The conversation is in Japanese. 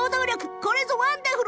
これこそワンダフル！